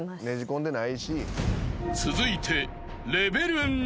［続いて］